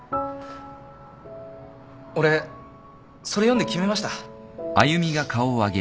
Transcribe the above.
俺それ読んで決めました。